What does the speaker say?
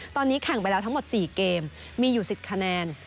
ตอนนี้แข่งไปแล้วทั้งหมด๔เกมมีอยู่๑๐คะแนน